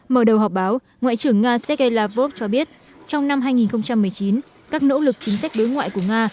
mở đầu họp báo ngoại trưởng nga sergei lavrov cho biết trong năm hai nghìn một mươi chín các nỗ lực chính sách đối ngoại của nga